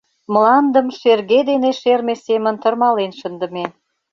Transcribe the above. Мландым шерге дене шерме семын тырмален шындыме.